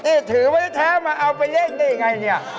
นี่ถือไม่ได้แท้เอาไปเล่นได้อย่างไรนี่